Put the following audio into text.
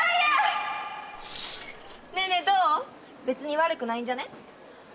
別に悪くないんじゃね？